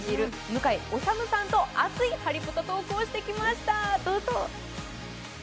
向井理さんと熱いハリポタトークをしてきました。